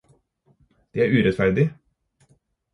Det er urettferdig.